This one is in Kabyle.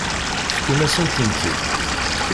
Tefkam-asent-tent-id.